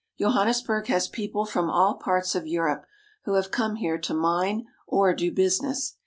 308 AFRICA Johannesburg has people from all parts of Europe who have come here to mine or do business.